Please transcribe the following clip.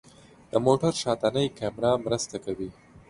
د موټر شاتنۍ کامره مرسته کوي.